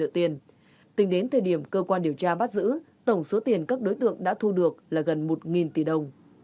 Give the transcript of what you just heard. tính đến thời điểm cơ quan điều tra bắt giữ tổng số tiền các đối tượng đã thu được là gần một tỷ đồng